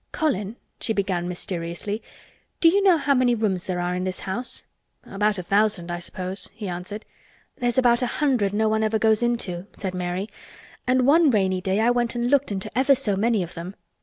"Colin," she began mysteriously, "do you know how many rooms there are in this house?" "About a thousand, I suppose," he answered. "There's about a hundred no one ever goes into," said Mary. "And one rainy day I went and looked into ever so many of them.